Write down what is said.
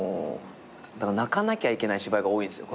泣かなきゃいけない芝居が多いんですよ。